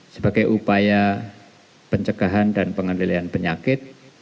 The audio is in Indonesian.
sebagai upaya pencegahan dan pengendalian penyakit